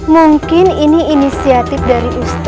mungkin ini inisiatif dari ustadz